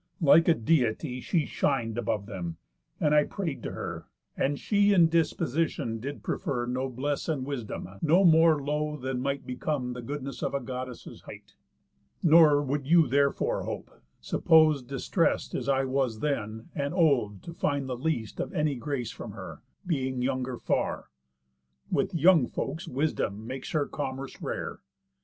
Like a Deity She shin'd above them; and I pray'd to her, And she in disposition did prefer Noblesse, and wisdom, no more low than might Become the goodness of a Goddess' height. Nor would you therefore hope, suppos'd distrest As I was then, and old, to find the least Of any grace from her, being younger far. _With young folks Wisdom makes her commerce rare.